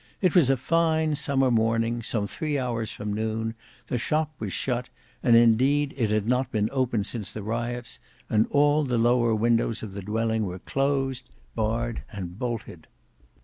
It was a fine summer morning, some three hours from noon, the shop was shut, indeed it had not been opened since the riots, and all the lower windows of the dwelling were closed, barred, and bolted.